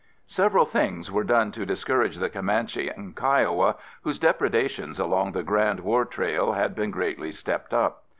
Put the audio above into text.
Several things were done to discourage the Comanche and Kiowa whose depredations along the Grand War Trail had been greatly stepped up.